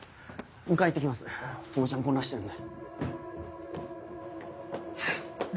迎えに行って来ます朋美ちゃん混乱してるんで。